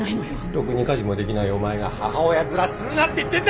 ろくに家事もできないお前が母親面するなって言ってんだ！